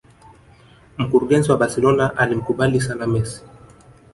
Mkurugenzi wa Barcelona alimkubali sana Messi